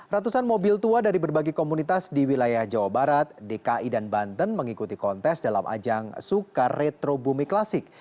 ratusan mobil tua dari berbagai komunitas di wilayah jawa barat dki dan banten mengikuti kontes dalam ajang sukaretro bumi klasik